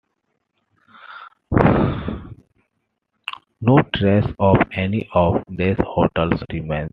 No trace of any of these hotels remains.